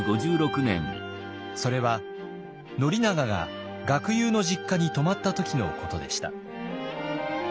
それは宣長が学友の実家に泊まった時のことでした。